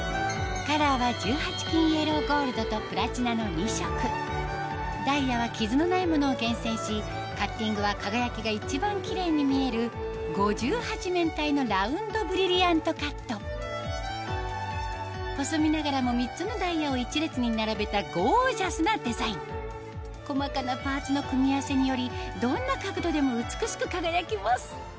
カラーは１８金イエローゴールドとプラチナの２色ダイヤは傷のないものを厳選しカッティングは輝きが一番キレイに見える５８面体のラウンドブリリアントカット細身ながらも３つのダイヤを１列に並べたゴージャスなデザイン細かなパーツの組み合わせによりどんな角度でも美しく輝きます